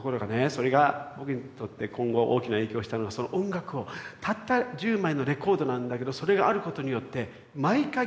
それが僕にとって今後大きな影響をしたのはその音楽をたった１０枚のレコードなんだけどそれがあることによって毎回聴くと最初はこう思った。